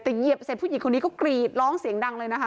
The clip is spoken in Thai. แต่เหยียบเสร็จผู้หญิงคนนี้ก็กรีดร้องเสียงดังเลยนะคะ